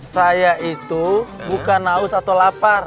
saya itu bukan naus atau lapar